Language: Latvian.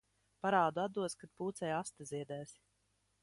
Parādu atdos, kad pūcei aste ziedēs.